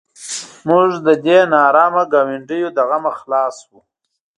موږ د دې نارامه ګاونډیو له غمه خلاص شوو.